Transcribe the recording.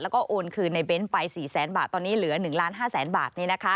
แล้วก็โอนคืนในเบนต์ไป๔๐๐๐๐๐บาทตอนนี้เหลือ๑๕๐๐๐๐๐บาท